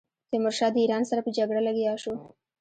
تیمورشاه د ایران سره په جګړه لګیا شو.